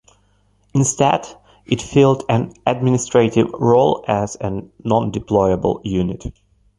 Instead, it filled an administrative role as a non-deployable unit.